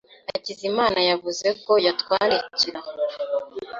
Hakizimana yavuze ko yatwandikira.